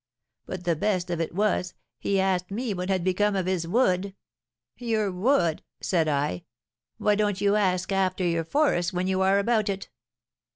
But the best of it was, he asked me what had become of his wood! 'Your wood?' said I, 'why don't you ask after your forest when you are about it?'